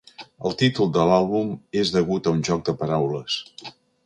El títol de l'àlbum és degut a un joc de paraules.